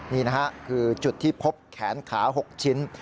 นี่นะฮะคือจุดที่พบแขนขา๖ชิ้น